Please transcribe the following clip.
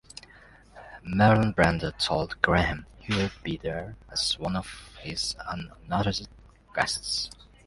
Marlon Brando told Graham he would be there as one of his unannounced guests.